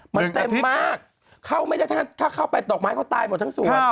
มันเต็มมากเข้าไปดอกไม้เขาตายหมดทั้งส่วน